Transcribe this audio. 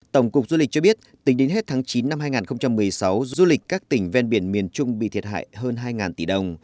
tổng cục du lịch cho biết tính đến hết tháng chín năm hai nghìn một mươi sáu du lịch các tỉnh ven biển miền trung bị thiệt hại hơn hai tỷ đồng